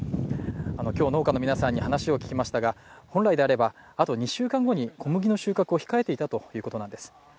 今日、農家の皆さんに話を伺いましたが本来であれば、あと２週間後に小麦の収穫を控えていたということなんです。